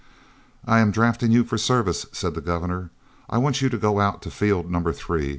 "I am drafting you for service," said the Governor. "I want you to go out to Field Number Three.